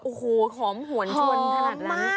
โอ้โหหอมหวนชวนขนาดนี้